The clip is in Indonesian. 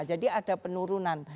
jadi ada penurunan